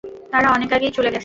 তারা অনেক আগেই চলে গেছে।